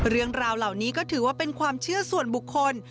เรื่องราวเหล่านี้ก็ถือว่าเป็นความเชื่อส่วนบุคคล